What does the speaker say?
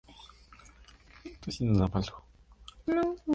Posteriormente se doctoró en Economía en el Nuffield College de Oxford.